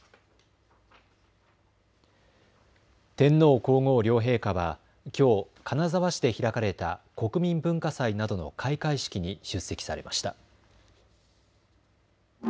天皇皇后両陛下はきょう金沢市で開かれた国民文化祭などの開会式に出席されました。